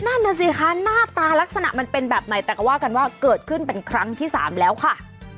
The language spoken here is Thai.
นั่นน่ะสิคะหน้าตาลักษณะมันเป็นแบบไหนแต่ก็ว่ากันว่าเกิดขึ้นเป็นครั้งที่สามแล้วค่ะ